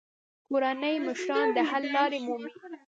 کورني مشران د حل لارې مومي.